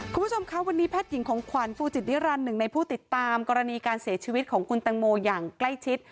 คุณผู้ชมคะวันนี้แพทย์หญิงของขวัญฟูจิตนิรันดิหนึ่งในผู้ติดตามกรณีการเสียชีวิตของคุณตังโมอย่างใกล้ชิด